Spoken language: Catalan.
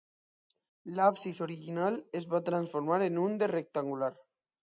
L'absis original es va transformar en un de rectangular.